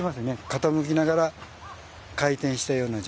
傾きながら回転したような状態ですね。